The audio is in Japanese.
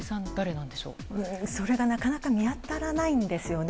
それがなかなか見当たらないんですよね。